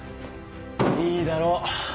いいだろう。